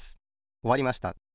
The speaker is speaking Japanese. おわりました。